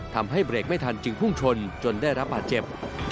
ทำให้เบรกไม่ทันจึงพุ่งชนจนได้รับบาดเจ็บ